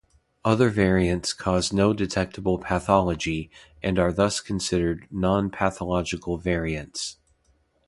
Other variants cause no detectable pathology, and are thus considered non-pathological variants.